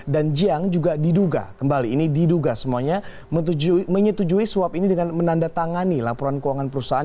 dan jiang juga diduga kembali ini diduga semuanya menyetujui suap ini dengan menandatangani laporan keuangan perusahaan